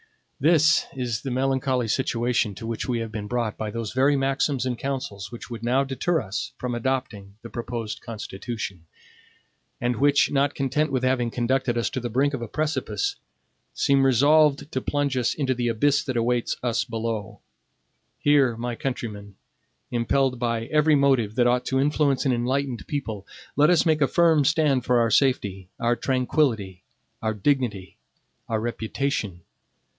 This is the melancholy situation to which we have been brought by those very maxims and councils which would now deter us from adopting the proposed Constitution; and which, not content with having conducted us to the brink of a precipice, seem resolved to plunge us into the abyss that awaits us below. Here, my countrymen, impelled by every motive that ought to influence an enlightened people, let us make a firm stand for our safety, our tranquillity, our dignity, our reputation.